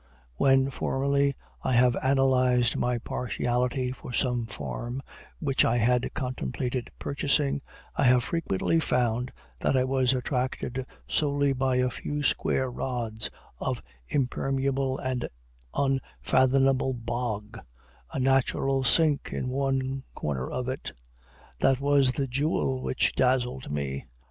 When, formerly, I have analyzed my partiality for some farm which I had contemplated purchasing, I have frequently found that I was attracted solely by a few square rods of impermeable and unfathomable bog, a natural sink in one corner of it. That was the jewel which dazzled me.